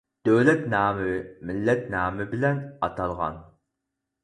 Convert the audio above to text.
دۆلەت نامى مىللەت نامى بىلەن ئاتالغان.